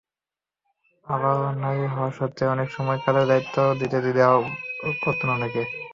আবার নারী হওয়ার কারণেও অনেক সময় কাজের দায়িত্ব দিতে দ্বিধা করতেন অনেকে।